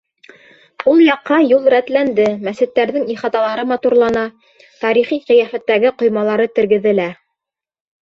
Ул яҡҡа юл рәтләнде, мәсеттәрҙең ихаталары матурлана, тарихи ҡиәфәттәге ҡоймалары тергеҙелә.